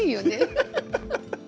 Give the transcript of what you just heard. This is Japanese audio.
ハハハハ！